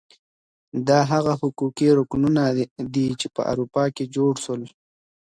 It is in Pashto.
دا هغه حقوقي رکنونه دي چي په اروپا کي جوړ سول.